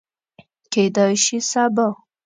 کیدای شي سبا